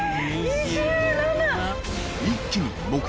２７！